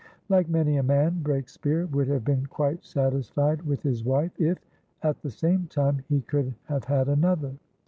Like many a man, Breakspeare would have been quite satisfied with his wife, if, at the same time, he could have had another.